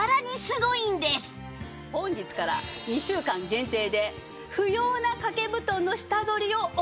本日から２週間限定で不要な掛け布団の下取りを行います。